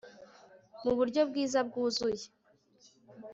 mu buryo bwiza bwuzuye